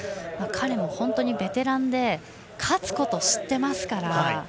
彼も本当にベテランで勝つことを知っていますから。